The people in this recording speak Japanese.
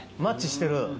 マッチしてる？